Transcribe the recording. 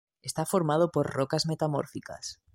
Está formado por rocas metamórficas.